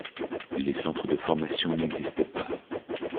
Les centres de formation n'existaient pas.